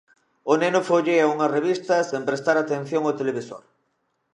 O neno follea unha revista sen prestar atención ao televisor.